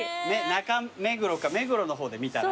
中目黒か目黒の方で見たな。